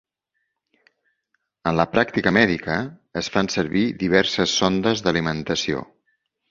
En la pràctica mèdica es fan servir diverses sondes d'alimentació.